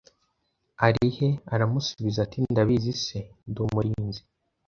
ari he Aramusubiza ati Ndabizi se Ndi umurinzi